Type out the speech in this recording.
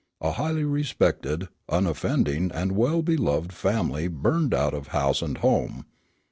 A HIGHLY RESPECTED, UNOFFENDING AND WELL BELOVED FAMILY BURNED OUT OF HOUSE AND HOME.